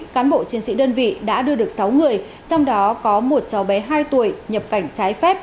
cán bộ chiến sĩ đơn vị đã đưa được sáu người trong đó có một cháu bé hai tuổi nhập cảnh trái phép